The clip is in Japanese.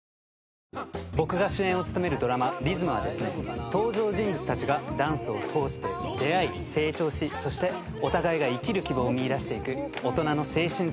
僕が主演を務めるドラマ『リズム』は登場人物たちがダンスを通して出会い成長しそしてお互いが生きる希望を見いだしていく大人の青春ストーリーです。